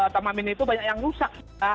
taman mini itu banyak yang rusak